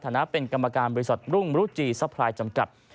นะเป็นกรรมการบริษัทรุ่งรุจีซัพพลายจำกัด